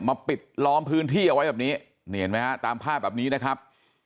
ปิดล้อมพื้นที่เอาไว้แบบนี้นี่เห็นไหมฮะตามภาพแบบนี้นะครับ